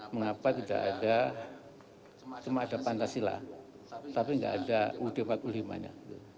mengapa tidak ada cuma ada pancasila tapi tidak ada ud empat puluh lima nya